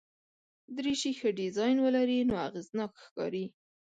دریشي ښه ډیزاین ولري نو اغېزناک ښکاري.